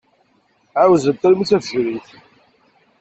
Ɛawzen armi d tafejrit.